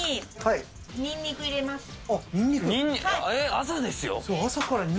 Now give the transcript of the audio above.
朝ですよ